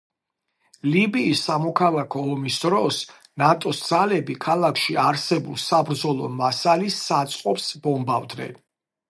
ლიბიის სამოქალაქო ომის დროს, ნატოს ძალები ქალაქში არსებულ საბრძოლო მასალის საწყობს ბომბავდნენ.